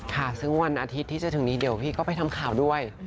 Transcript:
ค่ะซึ่งวันอาทิตย์ที่จะถึงนี้เดี๋ยวพี่ก็ไปทำข่าวด้วย